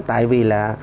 tại vì là